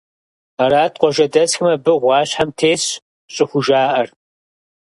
Арат къуажэдэсхэм абы гъуащхьэм тесщ щӀыхужаӀэр.